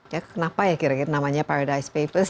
ya kenapa ya kira kira namanya paradise papers